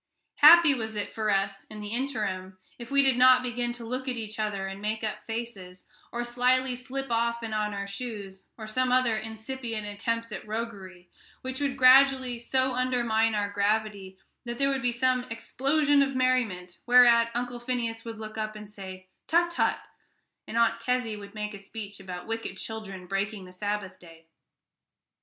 Happy was it for us, in the interim, if we did not begin to look at each other and make up faces, or slyly slip off and on our shoes, or some other incipient attempts at roguery, which would gradually so undermine our gravity that there would be some sudden explosion of merriment, whereat Uncle Phineas would look up and say, "Tut, tut," and Aunt Kezzy would make a speech about wicked children breaking the Sabbath day.